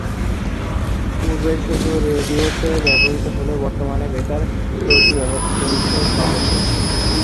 পূর্বে শুধু রেডিওতে ব্যবহৃত হলেও বর্তমানে বেতার প্রযুক্তির ব্যবহার চলছে সর্বত্র।